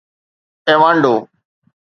ايوانڊو